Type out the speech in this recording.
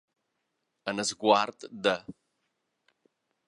En esguard de.